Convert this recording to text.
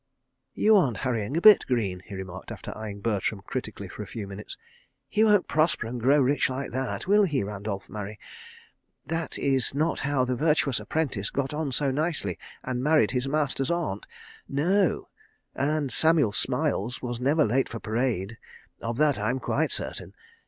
"You aren't hurrying a bit, Greene," he remarked, after eyeing Bertram critically for a few minutes. "He won't prosper and grow rich like that, will he, Randolph Murray? That is not how the Virtuous Apprentice got on so nicely, and married his master's aunt. ... No. ... And Samuel Smiles was never late for parade—of that I'm quite certain.